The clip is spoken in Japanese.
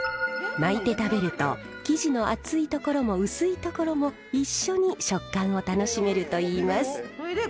巻いて食べると生地の厚い所も薄い所も一緒に食感を楽しめるといいます。